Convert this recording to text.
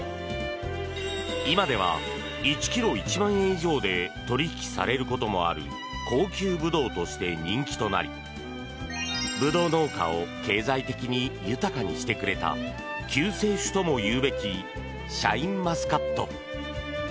今では１ｋｇ１万円以上で取引されることもある高級ブドウとして人気となりブドウ農家を経済的に豊かにしてくれた救世主ともいうべきシャインマスカット。